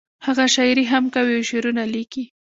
هغه شاعري هم کوي او شعرونه لیکي